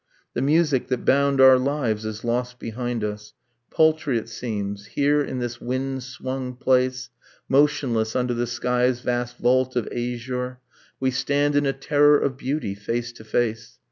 The music that bound our lives is lost behind us, Paltry it seems ... here in this wind swung place Motionless under the sky's vast vault of azure We stand in a terror of beauty, face to face.